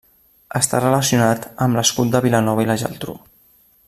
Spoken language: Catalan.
Està relacionat amb l'escut de Vilanova i la Geltrú.